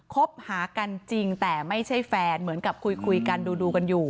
คบหากันจริงแต่ไม่ใช่แฟนเหมือนกับคุยกันดูกันอยู่